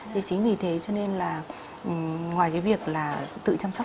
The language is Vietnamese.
thế chính vì thế cho nên là ngoài cái việc là tự chăm sóc